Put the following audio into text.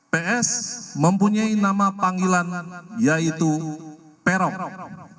ps mempunyai nama panggilan yaitu perokok